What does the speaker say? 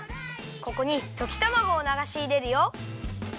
ここにときたまごをながしいれるよ。